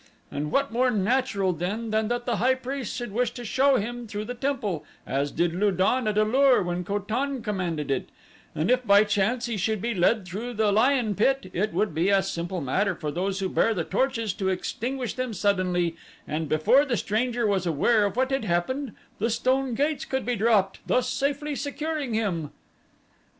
And what more natural then than that the high priest should wish to show him through the temple as did Lu don at A lur when Ko tan commanded it, and if by chance he should be led through the lion pit it would be a simple matter for those who bear the torches to extinguish them suddenly and before the stranger was aware of what had happened, the stone gates could be dropped, thus safely securing him."